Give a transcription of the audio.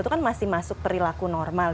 itu kan masih masuk perilaku normal